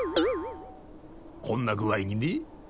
こんな具合にね。